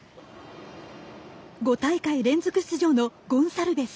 ５大会連続出場のゴンサルベス。